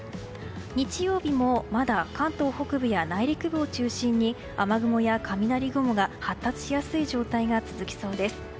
日曜日もまだ関東北部や内陸部を中心に雨雲や雷雲が発達しやすい状態が続きそうです。